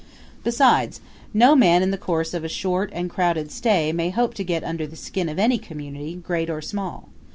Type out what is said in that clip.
Besides, no man in the course of a short and crowded stay may hope to get under the skin of any community, great or small.